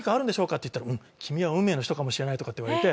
って言ったら「君は運命の人かもしれない」とかって言われて。